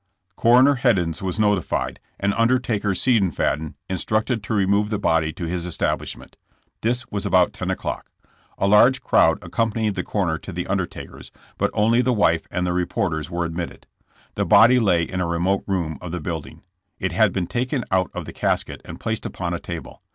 Coroner Heddens was notified, and Undertaker Sidenfaden instructed to remove the body to his es tablishment. This was about 10 o'clock. A large crowd accompanied the coroner to the undertaker's, but only the wife and the reporters were admitted. The body lay in a remote room of the building. It had been taken out of the casket and placed upon a table.